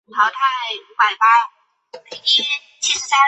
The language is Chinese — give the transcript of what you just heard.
德钦梅花草为卫矛科梅花草属下的一个种。